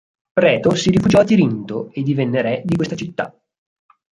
Preto si rifugiò a Tirinto e divenne re di questa città.